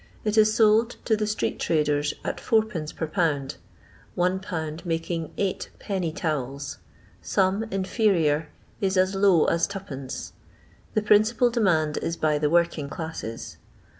It is sold to the street traders at 4rf. per pound, 1 lb. making eight penny towels ; some (in ferior) is as low as 2d. The principal demand is by the working cUsses.